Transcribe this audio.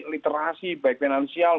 literasi baik finansial